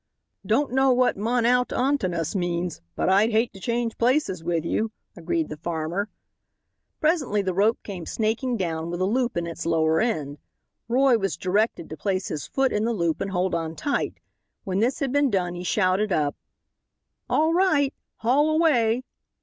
"Don't know what mon ount on tonous means, but I'd hate to change places with you," agreed the farmer. Presently the rope came snaking down, with a loop in its lower end. Roy was directed to place his foot in the loop and hold on tight. When this had been done he shouted up: "All right! Haul away!"